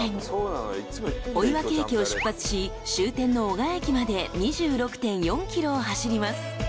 ［追分駅を出発し終点の男鹿駅まで２６．４ｋｍを走ります］